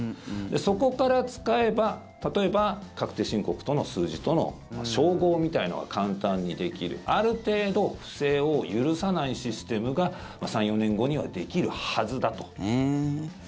そこから使えば例えば確定申告の数字との照合みたいなのは簡単にできるある程度不正を許さないシステムが３４年後にはできるはずだと。